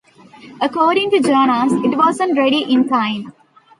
According to Jonas, it wasn't ready in time.